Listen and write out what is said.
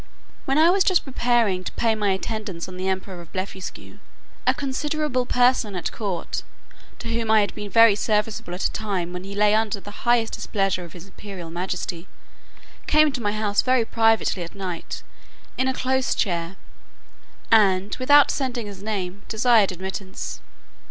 When I was just preparing to pay my attendance on the emperor of Blefuscu, a considerable person at court (to whom I had been very serviceable, at a time when he lay under the highest displeasure of his imperial majesty) came to my house very privately at night, in a close chair, and, without sending his name, desired admittance.